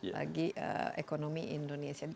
bagi ekonomi indonesia